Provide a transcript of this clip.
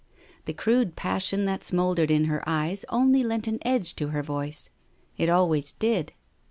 The crude passion that smouldered in her eyes, only lent an edge to her voice. It always did.